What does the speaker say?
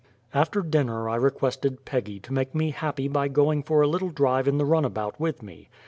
After dinner I requested Peggy to make me happy by going for a little drive in the runabout with me.